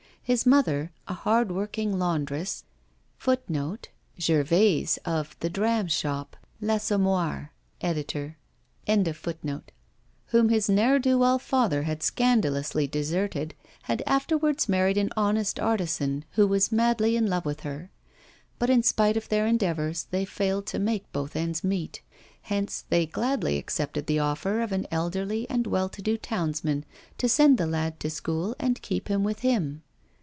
His mother, a hardworking laundress,* whom his ne'er do well father had scandalously deserted, had afterwards married an honest artisan who was madly in love with her. But in spite of their endeavours, they failed to make both ends meet. Hence they gladly accepted the offer of an elderly and well to do townsman to send the lad to school and keep him with him.